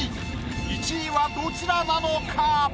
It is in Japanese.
１位はどちらなのか？